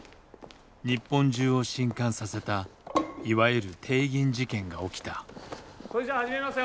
日本中を震撼させたいわゆる「帝銀事件」が起きたそれじゃあ始めますよ！